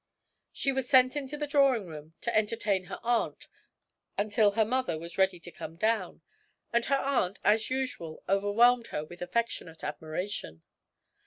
She was sent into the drawing room to entertain her aunt until her mother was ready to come down, and her aunt, as usual, overwhelmed her with affectionate admiration.